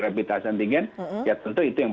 rapid test antigen ya tentu itu yang